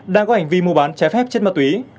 đang có hành vi mua bán trái phép chất ma túy